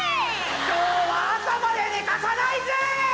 今日朝まで寝かさないぜ！